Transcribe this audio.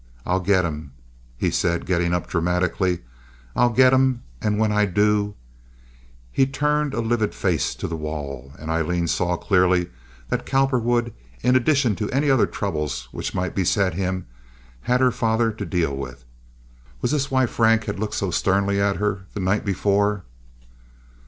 I'll get him," he said, getting up dramatically. "I'll get him, and when I do—" He turned a livid face to the wall, and Aileen saw clearly that Cowperwood, in addition to any other troubles which might beset him, had her father to deal with. Was this why Frank had looked so sternly at her the night before?